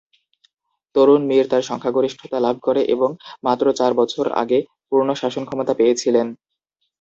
তরুণ মীর তার সংখ্যাগরিষ্ঠতা লাভ করে এবং মাত্র চার বছর আগে পূর্ণ শাসন ক্ষমতা পেয়েছিলেন।